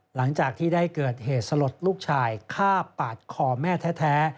หลังจากที่ได้เกิดเหตุสลดลูกชายฆ่าปาดคอแม่แท้